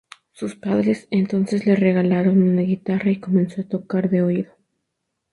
Sus padres entonces le regalaron una guitarra y comenzó a tocar de oído.